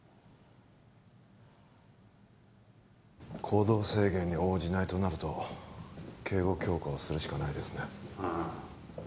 行動制限に応じないとなると警護強化をするしかないですねああ